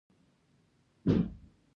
انیلا وویل چې ما له پنجرو شاوخوا سیمه څارله